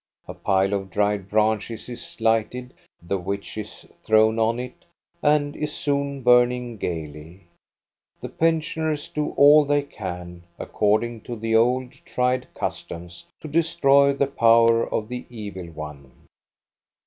A pile of dried branches is lighted, the witch is thrown on it and is soon burning gayly. The pensioners do all they can, according to the old, tried customs, to destroy the power of the evil one.